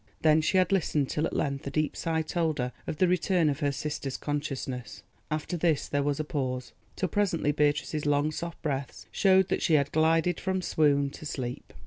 Then she had listened till at length a deep sigh told her of the return of her sister's consciousness. After this there was a pause, till presently Beatrice's long soft breaths showed that she had glided from swoon to sleep.